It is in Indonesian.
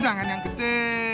jangan yang gede